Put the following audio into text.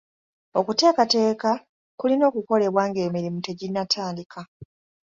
Okuteekateeka kulina okukolebwa ng'emirimu teginnatandika.